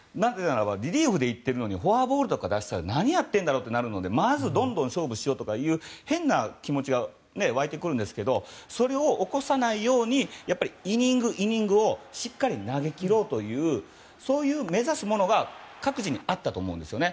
リリーフで行っているのにフォアボールとか出すと何やってるんだってなるのでまずどんどん勝負しようとかいう変な気持ちが沸いてくるんですけどそれを起こさないようにイニング、イニングをしっかり投げ切ろうというそういう、目指すものが各自にあったと思うんですよね。